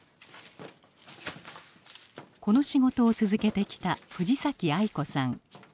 この仕事を続けてきた藤崎愛子さん。